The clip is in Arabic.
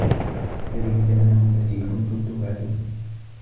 هذِهِ جَهَنَّمُ الَّتي كُنتُم توعَدونَ